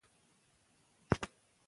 ښځه حق لري چې د خپل مال تصرف وکړي.